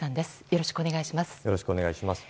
よろしくお願いします。